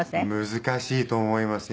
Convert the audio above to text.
難しいと思います。